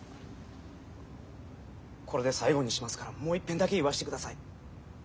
これで最後にしますからもういっぺんだけ言わしてください。